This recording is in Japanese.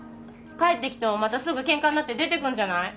帰ってきてもまたすぐケンカになって出てくんじゃない？